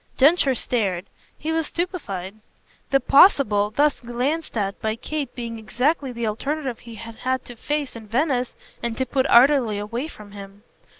Densher stared he was stupefied; the "possible" thus glanced at by Kate being exactly the alternative he had had to face in Venice and to put utterly away from him.